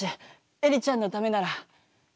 エリちゃんのためなら。